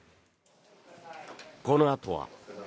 このあとは。